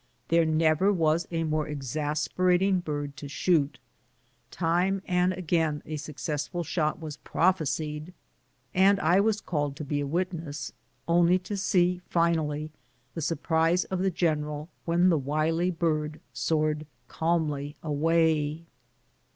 There never was a more exasperating bird to shoot. Time and again a successful shot was prophesied, and I was called to be a witness, only to see finally the surprise of the general when the wily bird soared calmly away.